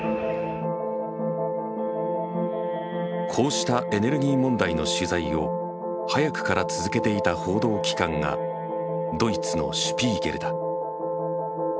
こうしたエネルギー問題の取材を早くから続けていた報道機関がドイツの「シュピーゲル」だ。